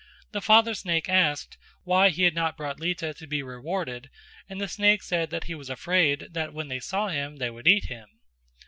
The father snake asked why he had not brought Lita to be rewarded and the snake said that he was afraid that when they saw him they would eat him.